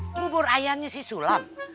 bubur ayahnya si sulam